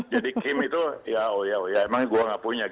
jadi kim itu ya oh ya oh ya emang gua nggak punya